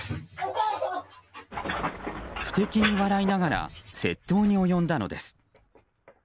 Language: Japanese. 不敵に笑いながら窃盗に及んだのです。